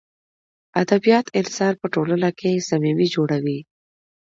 ادبیات انسان په ټولنه کښي صمیمي جوړوي.